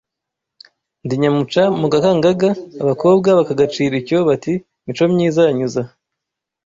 Ndi nyamuca mu gakangaga abakobwa bakagacira icyo bati Micomyiza yanyuze aha